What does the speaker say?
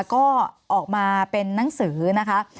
ก็ออกมาเป็นนังสือนะคะ